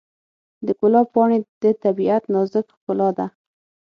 د ګلاب پاڼې د طبیعت نازک ښکلا ده.